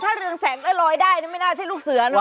แต่ถ้าเรืองแสงได้รอยได้ไม่น่าจะใช่ลูกเสือหรือวะ